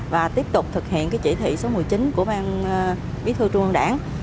và tiếp tục thực hiện cái chỉ thị số một mươi chín của bang bí thư trung an đảng